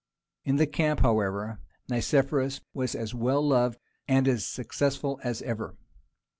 In the camp, however, Nicephorus was as well loved and as successful as ever.